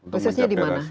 khususnya di mana